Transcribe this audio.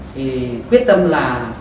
thì quyết tâm là